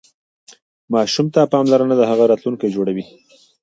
ماشوم ته پاملرنه د هغه راتلونکی جوړوي.